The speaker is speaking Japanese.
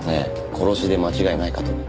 殺しで間違いないかと。